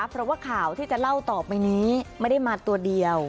เพราะว่าข่าวที่จะเล่าต่อไปนี้ไม่ได้มาตัวเดียว